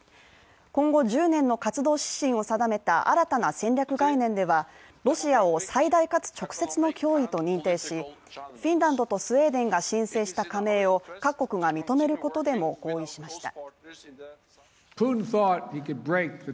今後１０年の活動指針を定めた新たな戦略概念ではロシアを最大かつ直接の脅威と認定しフィンランドとスウェーデンが申請した加盟を各国が認めることでも合意しました。